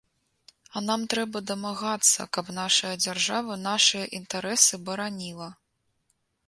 А нам трэба дамагацца, каб нашая дзяржава нашыя інтарэсы бараніла.